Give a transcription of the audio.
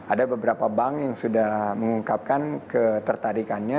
ada beberapa bank yang sudah mengungkapkan ketertarikannya